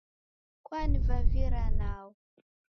Kwanivavira nao